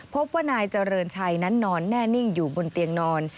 พบว่านายเจริญชัยนั้นนอนแน่นิ่งอยู่บนเตียงนอน